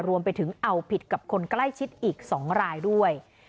รวมไปถึงเอาผิดกับคนใกล้ชิดอีก๒รายด้วย